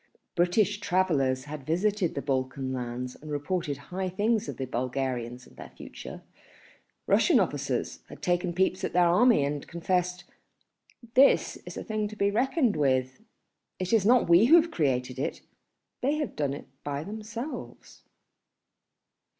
British travellers had visited the Balkan lands and reported high things of the Bulgarians and their future, Russian officers had taken peeps at their army and confessed "this is a thing to be reckoned with, and it is not we who have created it, they have done it by themselves."